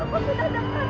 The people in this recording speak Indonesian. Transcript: eh lihat tau tuang